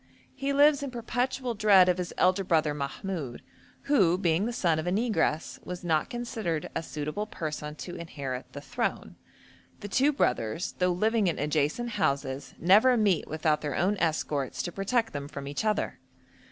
He lives in perpetual dread of his elder brother Mahmoud, who, being the son of a negress, was not considered a suitable person to inherit the throne. The two brothers, though living in adjacent houses, never meet without their own escorts to protect them from each other.